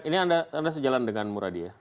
ini anda sejalan dengan muradi ya